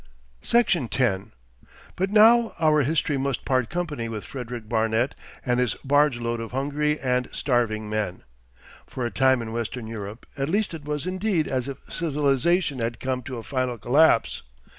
Section 10 But now our history must part company with Frederick Barnet and his barge load of hungry and starving men. For a time in western Europe at least it was indeed as if civilisation had come to a final collapse.